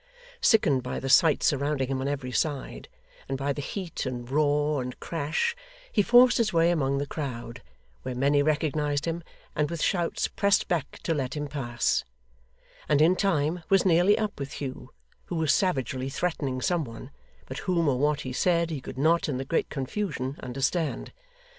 Sickened by the sights surrounding him on every side, and by the heat and roar, and crash, he forced his way among the crowd (where many recognised him, and with shouts pressed back to let him pass), and in time was nearly up with Hugh, who was savagely threatening some one, but whom or what he said, he could not, in the great confusion, understand.